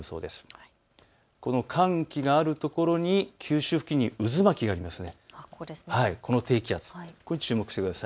この寒気がある所に九州付近に渦巻きがありますね。